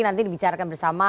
nanti dibicarakan bersama